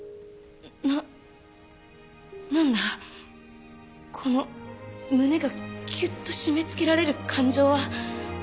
この胸がキュッと締め付けられる感情は。